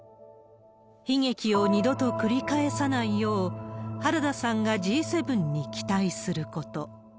悲劇を二度と繰り返さないよう、原田さんがＧ７に期待すること。